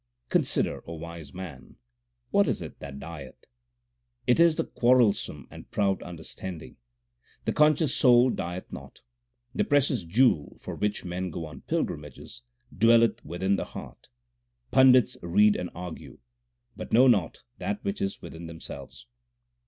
Consider, O wise man, what it is that dieth It is the quarrelsome and proud understanding. The conscious soul dieth not. The precious jewel, for which men go on pilgrimages, Dwelleth within the heart. Pandits read and argue, But know not that which is within themselves.